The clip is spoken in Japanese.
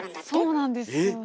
そうなんですよね。